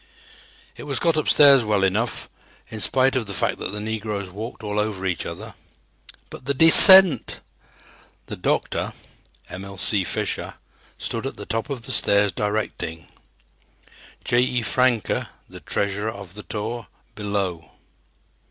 It was got upstairs well enough, in spite of the fact that the negroes walked all over each other. But the descent! The "doctor," Emil C. Fischer, stood at the top of the stairs directing; J. E. Francke, the treasurer of the tour, below.